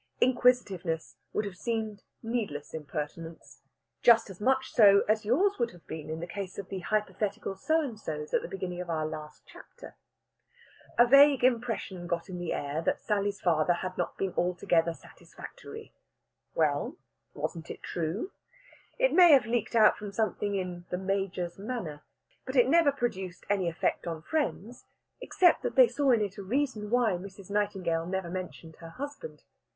Inquisitiveness would have seemed needless impertinence just as much so as yours would have been in the case of the hypothetical So and sos at the beginning of our last chapter. A vague impression got in the air that Sally's father had not been altogether satisfactory well, wasn't it true? It may have leaked out from something in "the Major's" manner. But it never produced any effect on friends, except that they saw in it a reason why Mrs. Nightingale never mentioned her husband.